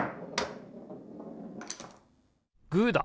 グーだ！